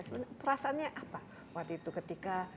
sebenarnya perasaannya apa waktu itu ketika